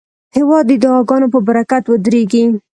هېواد د دعاګانو په برکت ودریږي.